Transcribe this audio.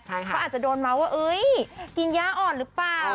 เขาอาจจะโดนเมาส์ว่ากินยาอ่อนหรือเปล่า